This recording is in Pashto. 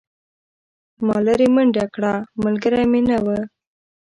ما لیرې منډه کړه ملګری مې نه و.